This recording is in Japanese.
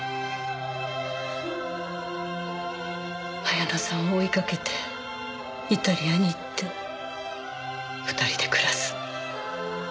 彩乃さんを追いかけてイタリアに行って２人で暮らす。